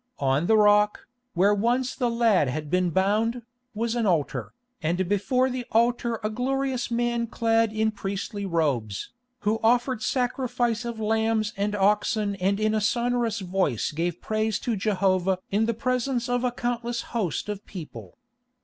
On the rock, where once the lad had been bound, was an altar, and before the altar a glorious man clad in priestly robes, who offered sacrifice of lambs and oxen and in a sonorous voice gave praise to Jehovah in the presence of a countless host of people.